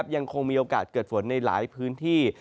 ยังคงมีโอกาสเกิดฝนในหลายพื้นที่